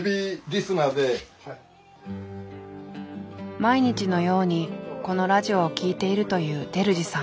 毎日のようにこのラジオを聴いているという照次さん。